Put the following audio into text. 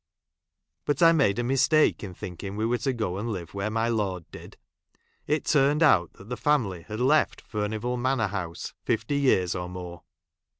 But I made a mistake in thinking we were to go and live where my lord did. It turned out that the family had left Furnivall Manor House fifty years or more.